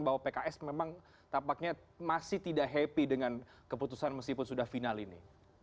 bahwa pks memang tampaknya masih tidak happy dengan keputusan meskipun sudah final ini